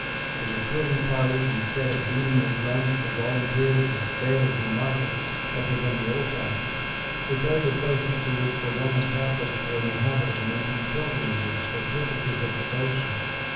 The recruiting parties, instead of beating their drums for volunteers at fairs and markets, as had been the old practice, repaired to places to which the Roman Catholics were in the habit of making pilgrimages for purposes of devotion.